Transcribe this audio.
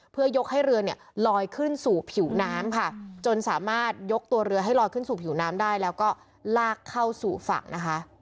เพื่อยกให้เรือเนี่ยลอยขึ้นสู่ผิวน้ำค่ะจนสามารถยกตัวเรือให้ลอยขึ้นสู่ผิวน้ำได้แล้วก็ลากเข้าสู่ฝั่งนะคะ